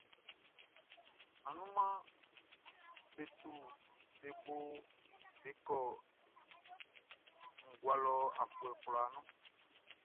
Anunmanʼm be tu be bo be kɔ ngua lɔ afuɛ kwlaa nun.